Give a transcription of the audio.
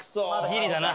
ギリだな。